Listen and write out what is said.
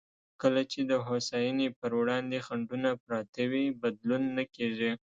کله چې د هوساینې پر وړاندې خنډونه پراته وي، بدلون نه کېږي.